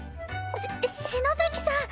し篠崎さん！